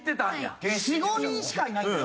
４５人しかいないんだよ？